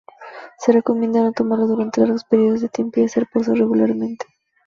Se recomienda no tomarlo durante largos períodos de tiempo y hacer pausas regularmente.